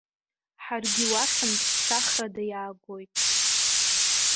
Ҳаргьы уахьынтә ԥсахрада иаагоит.